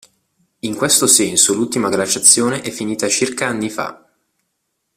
In questo senso l'ultima glaciazione è finita circa anni fa.